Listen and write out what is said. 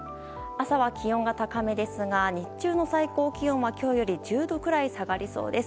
朝は気温が高めですが日中の最高気温は今日より１０度くらい下がりそうです。